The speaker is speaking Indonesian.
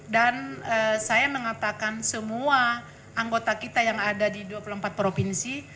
dan saya mengatakan semua anggota kita yang ada di dua puluh empat provinsi